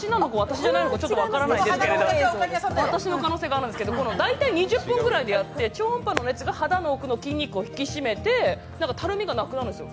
これは、私の可能性があるんですけど、大体２０分ぐらいでやって超音波の熱が肌の奥のたるみを引き締めて、たるみがなくなるんですよ。